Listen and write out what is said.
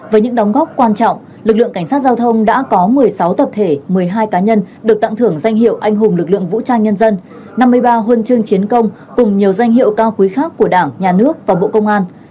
với những đóng góp quan trọng lực lượng cảnh sát giao thông đã có một mươi sáu tập thể một mươi hai cá nhân được tặng thưởng danh hiệu anh hùng lực lượng vũ trang nhân dân năm mươi ba huân chương chiến công cùng nhiều danh hiệu cao quý khác của đảng nhà nước và bộ công an